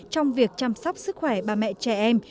trong việc chăm sóc sức khỏe bà mẹ trẻ em